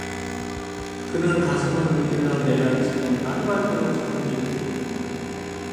그는 가슴을 문질러 내려앉히고 날이 밝도록 잠을 이루지 못하였다.